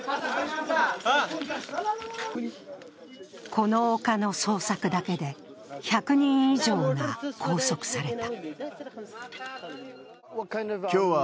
この丘の捜索だけで１００人以上が拘束された。